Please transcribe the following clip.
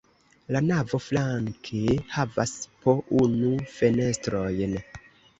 La navo flanke havas po unu fenestrojn.